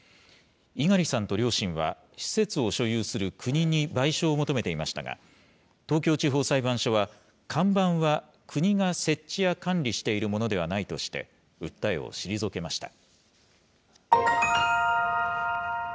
猪狩さんと両親は、施設を所有する国に賠償を求めていましたが、東京地方裁判所は、看板は国が設置や管理しているものではないとして、訴えを退けました。